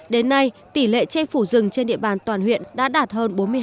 đến nay tỷ lệ che phủ rừng trên địa bàn toàn huyện đã đạt hơn bốn mươi hai